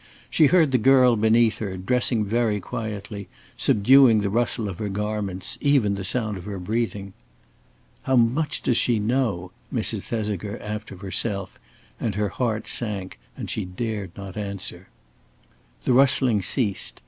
She heard the girl beneath her, dressing very quietly, subduing the rustle of her garments, even the sound of her breathing. "How much does she know?" Mrs. Thesiger asked of herself; and her heart sank and she dared not answer. The rustling ceased.